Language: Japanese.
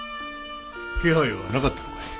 気配はなかったのかい？